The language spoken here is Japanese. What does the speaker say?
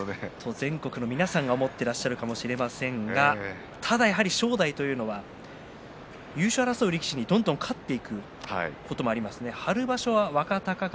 全国の皆さんが思っているかもしれませんけども正代というのは優勝を争う力士にどんどん勝てることがあります。